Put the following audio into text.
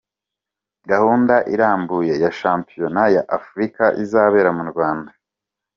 Gahunda irambuye ya shampiyona ya Africa izabera mu Rwanda.